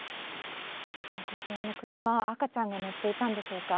こちらの車、赤ちゃんが乗っていたんでしょうか。